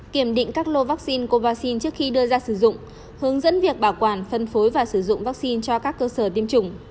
kiểm định các lô vaccine covaxin trước khi đưa ra sử dụng hướng dẫn việc bảo quản phân phối và sử dụng vaccine cho các cơ sở tiêm chủng